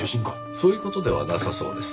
そういう事ではなさそうです。